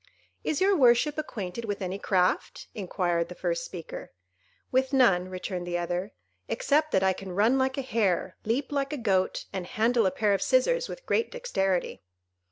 "Is your worship acquainted with any craft?" inquired the first speaker. "With none," returned the other, "except that I can run like a hare, leap like a goat, and handle a pair of scissors with great dexterity."